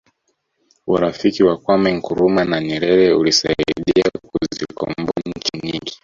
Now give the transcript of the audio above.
urafiki wa nkrumah na nyerere ulisaidia kuzikomboa nchi nyingi